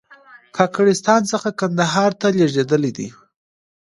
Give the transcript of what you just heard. کاکړستان څخه کندهار ته لېږدېدلی و.